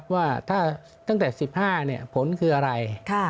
ว่าถ้าตั้งแต่๑๕ผลคืออะไร